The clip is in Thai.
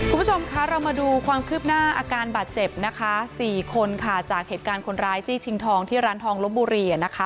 คุณผู้ชมคะเรามาดูความคืบหน้าอาการบาดเจ็บนะคะ๔คนค่ะจากเหตุการณ์คนร้ายจี้ชิงทองที่ร้านทองลบบุรีนะคะ